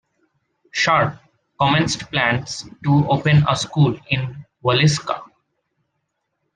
Sharp, commenced plans to open a school in Waleska.